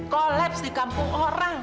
kolaps di kampung orang